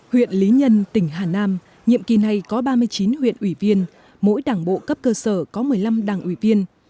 huyện lý nhân tỉnh hà nam nhiệm kỳ này có ba mươi chín huyện ủy viên mỗi đảng bộ cấp cơ sở có một mươi năm đảng ủy viên